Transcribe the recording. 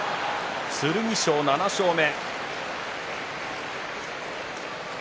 剣翔７勝目。